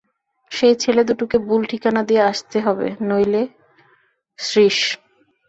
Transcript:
সেই ছেলে দুটোকে ভুল ঠিকানা দিয়ে আসতে হবে, নইলে– শ্রীশ।